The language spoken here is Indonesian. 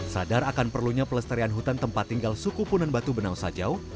sadar akan perlunya pelestarian hutan tempat tinggal suku punan batu benau sajau